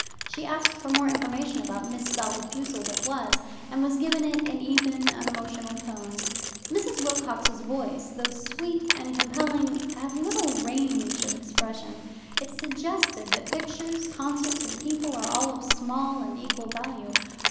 She asked for more information about Miss Dolly Fussell that was, and was given it in even, unemotional tones. Mrs. Wilcox's voice, though sweet and compelling, had little range of expression. It suggested that pictures, concerts, and people are all of small and equal value.